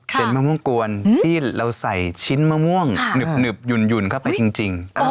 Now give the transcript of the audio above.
เป็นมะม่วงกวนที่เราใส่ชิ้นมะม่วงค่ะหนึบหนึบหยุ่นหยุ่นเข้าไปจริงจริง